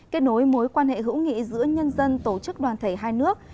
kết nối mối quan hệ hữu nghị giữa nhân dân tổ chức đoàn thể hai nước